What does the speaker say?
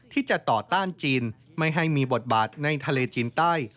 ที่จะต่อต้านจีนไม่ให้มีบทบาทในทะเลจีนใต้